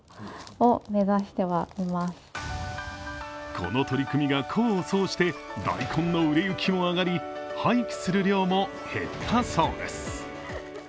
この取り組みが功を奏して大根の売れ行きは上がり、廃棄する量も減ったそうです。